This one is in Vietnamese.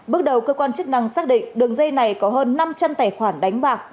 bước đầu cơ quan chức năng xác định đường dây này có hơn năm trăm linh tài khoản đánh bạc